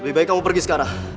lebih baik kamu pergi sekarang